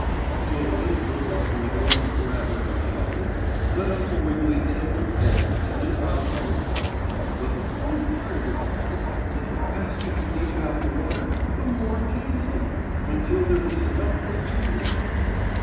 So the little girl who had loaned the rabbit her shovel let Uncle Wiggily take her pail to dip out the water. But the funny part of it was that the faster he dipped out the water the more came in, until there was enough for two wells.